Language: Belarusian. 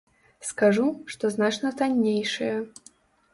Скажу, што значна таннейшыя.